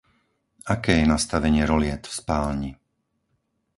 Aké je nastavenie roliet v spálni?